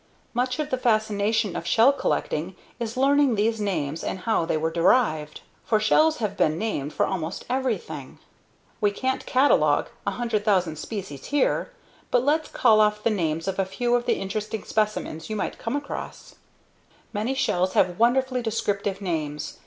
Much of the fascination of shell collecting is learning these names and how they were derived. .. for shells have been named for almost everything. We can't catalog 100,000 species here, but let's call off the names of a few of the interesting specimens you might come across. Many shells have wonderfully descriptive names.